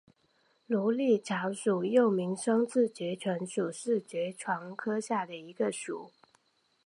芦莉草属又名双翅爵床属是爵床科下的一个属。